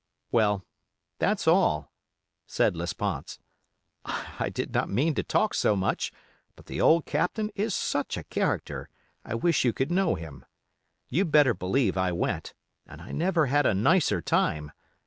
'" —"Well, that's all," said Lesponts; "I did not mean to talk so much, but the old Captain is such a character, I wish you could know him. You'd better believe I went, and I never had a nicer time.